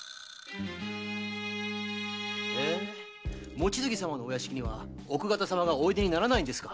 望月様のお屋敷に奥方様はおいでにならないんですか。